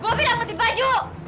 gue bilang ganti baju